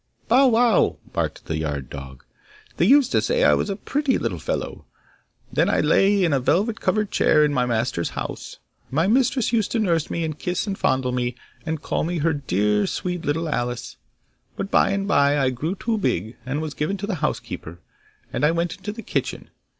'Bow wow!' barked the yard dog. 'They used to say I was a pretty little fellow; then I lay in a velvet covered chair in my master's house. My mistress used to nurse me, and kiss and fondle me, and call me her dear, sweet little Alice! But by and by I grew too big, and I was given to the housekeeper, and I went into the kitchen.